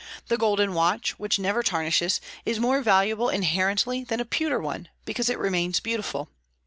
The golden watch, which never tarnishes, is more valuable inherently than a pewter one, because it remains beautiful.